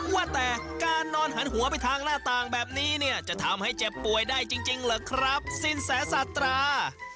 ว่าแต่การนอนหันหัวไปทางหน้าต่างแบบนี้เนี่ยจะทำให้เจ็บป่วยได้จริงเหรอครับสินแสสาตรา